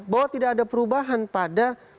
bahwa tidak ada perubahan pada